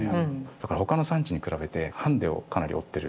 だからほかの産地に比べてハンデをかなり負ってる。